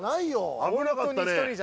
危なかったね。